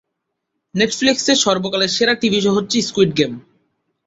নেটফ্লিক্সের সর্বকালের সেরা TV show হচ্ছে ‘স্কুইড গেম’।